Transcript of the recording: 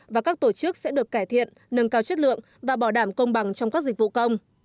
và các tổ chức sẽ được cải thiện nâng cao chất lượng và bảo đảm công bằng trong các dịch vụ công